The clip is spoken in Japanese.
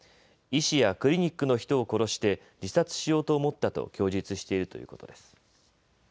医師やクリニックの人を殺して自殺しようと思ったと供述しているということです。